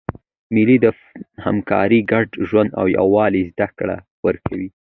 مېلې د همکارۍ، ګډ ژوند او یووالي زدهکړه ورکوي.